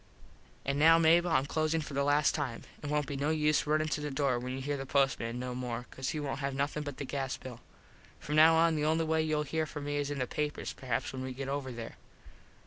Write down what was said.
An now, Mable, Im closin for the last time. It wont be no use runin to the door when you here the postman no more cause he wont have nothin but the gas bill. From now on the only way youll here from me is in the papers perhaps when we get over there.